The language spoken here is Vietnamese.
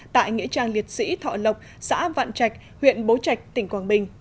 tại nghĩa trang liệt sĩ thọ lộc xã vạn trạch huyện bố trạch tỉnh quảng bình